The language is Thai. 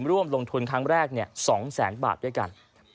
ร่วมลงทุนครั้งแรก๒แสนบาทด้วยกัน